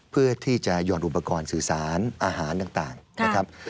เพื่อที่จะหย่อนอุปกรณ์สื่อสารอาหารต่างนะครับ